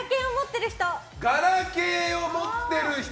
ガラケーを持ってる人。